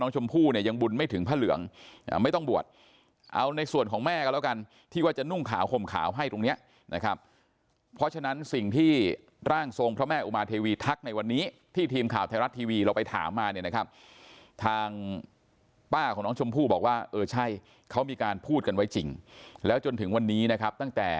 ยังบุญไม่ถึงพระเหลืองไม่ต้องบวชเอาในส่วนของแม่ก็แล้วกันที่ว่าจะนุ่งขาวห่มขาวให้ตรงเนี้ยนะครับเพราะฉะนั้นสิ่งที่ร่างทรงพระแม่อุมาเทวีทักในวันนี้ที่ทีมข่าวไทยรัฐทีวีเราไปถามมาเนี่ยนะครับทางป้าของน้องชมพู่บอกว่าเออใช่เขามีการพูดกันไว้จริงแล้วจนถึงวันนี้นะครับตั้งแต่